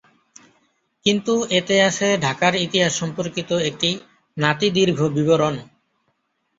কিন্তু এতে আছে ঢাকার ইতিহাস সম্পর্কিত একটি নাতিদীর্ঘ বিবরণ।